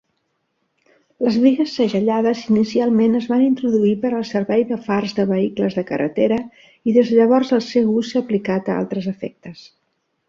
Les bigues segellades inicialment es va introduir per al servei de fars de vehicles de carretera i des de llavors el seu ús s'ha aplicat a altres efectes.